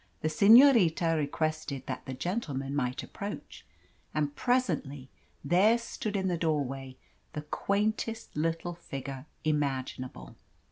The senorita requested that the gentleman might approach, and presently there stood in the doorway the quaintest little figure imaginable.